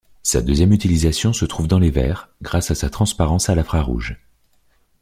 Sa deuxième utilisation se trouve dans les verres, grâce à sa transparence à l'infrarouge.